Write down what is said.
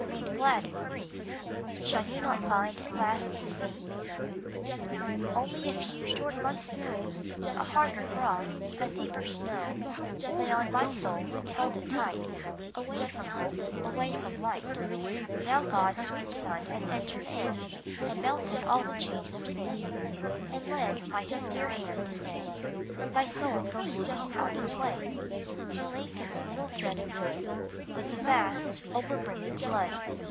made glad, made free, Shall you not find at last the sea ? Only a few short months ago, A harder frost, a deeper snow, Lay on my soul and held it tight Away from hope, away from light Now God's sweet sun has entered in And melted all the chains of sin, RELEASED 155 And led by his dear hand to day My soul goes singing on its way, To link its little thread of good With the vast, over brimming flood